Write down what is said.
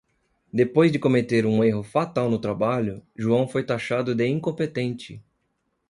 Depois de cometer um erro fatal no trabalho, João foi tachado de incompetente.